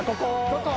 どこ？